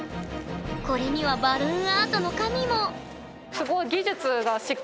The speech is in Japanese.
これにはバルーンアートの神も。